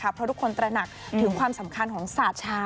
เพราะทุกคนตระหนักถึงความสำคัญของสาชา